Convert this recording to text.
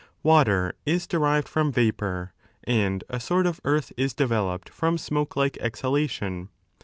Water is derived from vapour, and a sort of earth is developed from smoke like exhalation.